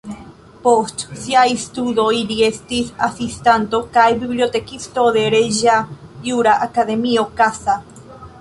Post siaj studoj li estis asistanto kaj bibliotekisto de Reĝa Jura Akademio (Kassa).